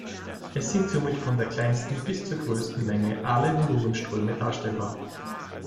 Es sind somit von der kleinsten bis zu größten Menge alle Volumenströme darstellbar.